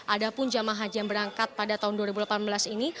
ada pun jamaah haji yang berangkat pada tahun dua ribu delapan belas ini